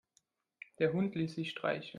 Der Hund ließ sich streicheln.